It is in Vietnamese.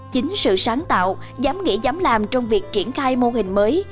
chính sự sáng tạo dám nghĩ dám làm trong việc triển khai mô hình mới